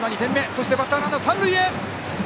そしてバッターランナー、三塁へ。